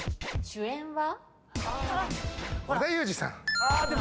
主演は？